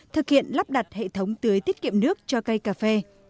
thực hiện lắp đặt hệ thống tưới tiết kiệm nước cho cây cà phê